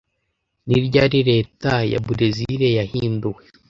Ni ryari Leta ya burezire yahinduwe